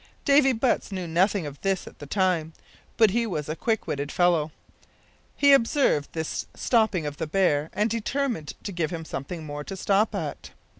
Davy Butts knew nothing of this at the time; but he was a quick witted fellow. He observed this stopping of the bear, and determined to give him something more to stop at.